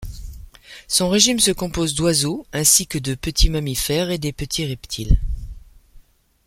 Son régime se compose d'oiseaux, ainsi que de petits mammifères et des petits reptiles.